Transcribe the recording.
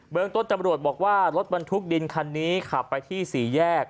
เมืองต้นตำรวจบอกว่ารถบรรทุกดินคันนี้ขับไปที่สี่แยก